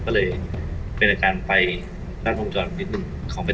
สวัสดีครับวันนี้เราจะกลับมาเมื่อไหร่